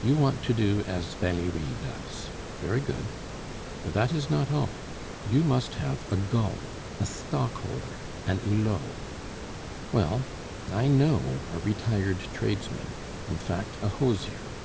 You want to do as Valerie does very good. But that is not all; you must have a gull, a stockholder, a Hulot. Well, I know a retired tradesman in fact, a hosier.